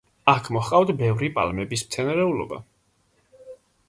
აქ მოჰყავთ ბევრი პალმების მცენარეულობა.